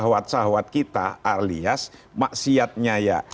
sahwat sahwat kita alias maksiatnya ya